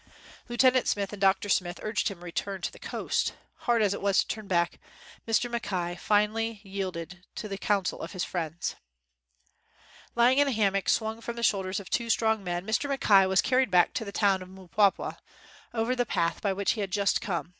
Lieu tenant Smith and Dr. Smith urged him to return to the coast. Hard as it was to turn back, Mr. Mackay finally yielded to the coun sel of his friends. Lying in a hammock swung from the shoulders of two strong men Mr. Mackay was carried back to the town of Mpwapwa over the path by which he had just come.